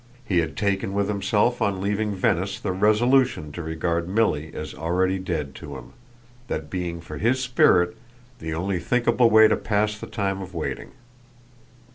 He had taken with himself on leaving Venice the resolution to regard Milly as already dead to him that being for his spirit the only thinkable way to pass the time of waiting.